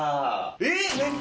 えっ！